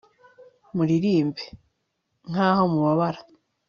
muririmbe, nkaho mubabara